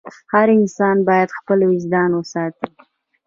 هر انسان باید خپل وجدان وساتي.